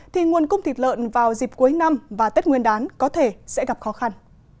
thì nguồn cung thịt lợn vào dịp cuối năm và tết nguyên đán có thể sẽ gặp khó khăn